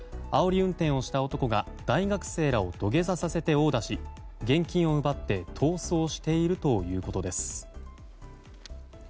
あおり運転をした男が大学生らを土下座させて殴打し現金を奪って逃走しているということです。